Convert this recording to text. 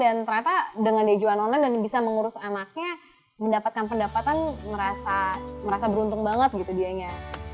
dan ternyata dengan dia jualan online dan bisa mengurus anaknya mendapatkan pendapatan merasa beruntung banget gitu dianya